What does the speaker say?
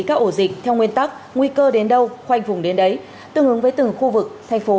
các ổ dịch theo nguyên tắc nguy cơ đến đâu khoanh vùng đến đấy tương ứng với từng khu vực thành phố